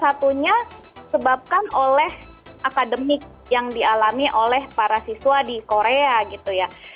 satunya sebabkan oleh akademik yang dialami oleh para siswa di korea gitu ya